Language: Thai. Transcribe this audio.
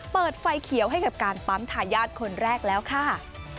เปิดไฟเขียวให้กับการปั๊มทายาทคนแรกแล้วค่ะ